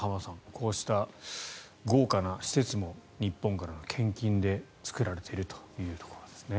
こうした豪華な施設も日本からの献金で作られているということですね。